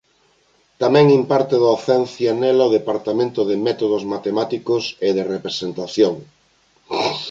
Tamén imparte docencia nela o departamento de Métodos matemáticos e de representación.